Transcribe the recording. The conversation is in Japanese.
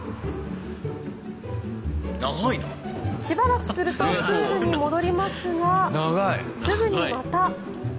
しばらくするとプールに戻りますがすぐにまた。